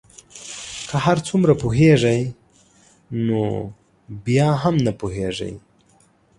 که هر څومره پوهیږی خو بیا هم نه پوهیږې